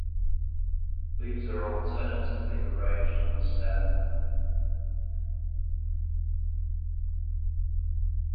Leaves are alternately arranged on the stem.